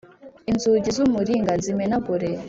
inzugi z’umuringa nzimenagure,